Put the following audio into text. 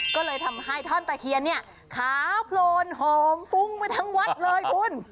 ก็เลยทำให้ท่อนตะเคียนเนี่ยขาวโพลนหอมฟุ้งไปทั้งวัดเลยคุณ